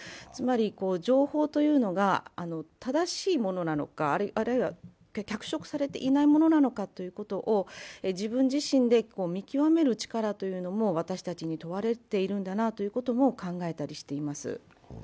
つまり情報というのが正しいものなのか、あるいは脚色されていないものなのかということを自分自身で見極める力も私たちに問われているんだなということも考えたりしています。